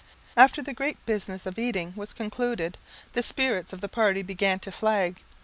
After the great business of eating was concluded the spirits of the party began to flag.